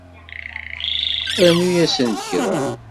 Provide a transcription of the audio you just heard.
Rnu-asen-d kra